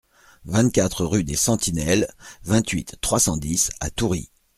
vingt-quatre rue des Sentinelles, vingt-huit, trois cent dix à Toury